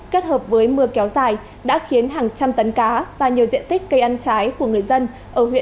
kết hợp với mưa kéo dài đã khiến hàng trăm tấn cá và nhiều diện tích cây ăn trái của người dân ở huyện